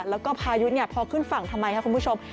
แล้วก็พายุพอขึ้นฝั่งทำไมคะคุณผู้ชม